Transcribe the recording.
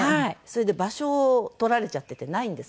それで場所を取られちゃっててないんです。